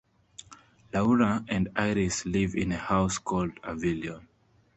Laura and Iris live in a house called Avilion.